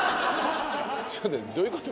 ちょっとどういうこと？